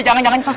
jangan jangan pak